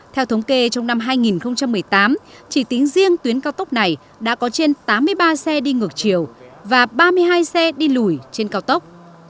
theo thống kê trong năm hai nghìn một mươi tám chỉ tính riêng tuyến cao tốc này đã có trên tám mươi ba xe đi ngược chiều và ba mươi hai xe đi lùi trên cao tốc